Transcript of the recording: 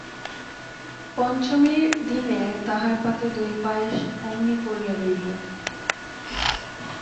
পঞ্চমীর দিনে তাঁহার পাতে দই পায়স অমনি পড়িয়া রহিল।